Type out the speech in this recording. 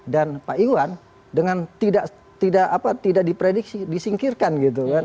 dan pak iwan dengan tidak diprediksi disingkirkan gitu kan